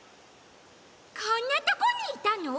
こんなとこにいたの？